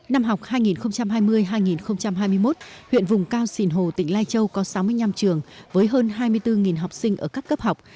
năm học hai nghìn hai mươi hai nghìn hai mươi một huyện vùng cao sìn hồ tỉnh lai châu có sáu mươi năm trường với hơn hai mươi bốn học sinh ở các cấp học